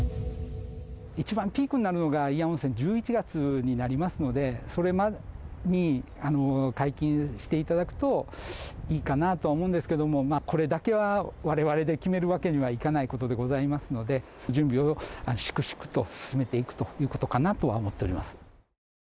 一番ピークになるのが、祖谷温泉、１１月になりますので、それまでに解禁していただくといいかなと思うんですけれども、まあ、これだけはわれわれで決めるわけにはいかないことでございますので、準備を粛々と進めていくということかなとは思っております。